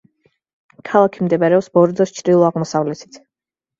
ქალაქი მდებარეობს ბორდოს ჩრდილო-აღმოსავლეთით.